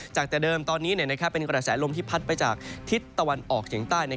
จากแต่เดิมตอนนี้เป็นกระแสลมที่พัดไปจากทิศตะวันออกเฉียงใต้